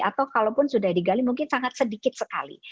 atau kalau pun sudah digali mungkin sangat sedikit sekali